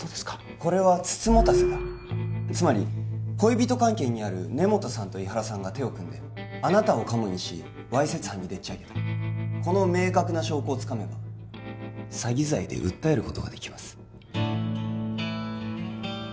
これは美人局だつまり恋人関係にある根元さんと井原さんが手を組んであなたをカモにしわいせつ犯にでっちあげたこの明確な証拠をつかめば詐欺罪で訴えることができます